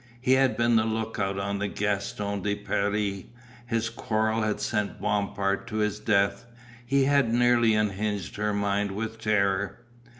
He had been the lookout on the Gaston de Paris, his quarrel had sent Bompard to his death, he had nearly unhinged her mind with terror.